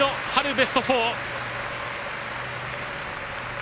ベスト４。